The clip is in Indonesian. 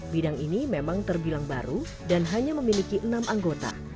bidang ini memang terbilang baru dan hanya memiliki enam anggota